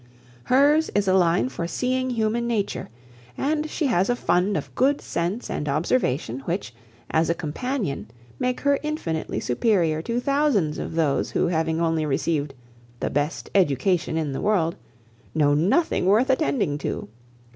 Hers is a line for seeing human nature; and she has a fund of good sense and observation, which, as a companion, make her infinitely superior to thousands of those who having only received 'the best education in the world,' know nothing worth attending to.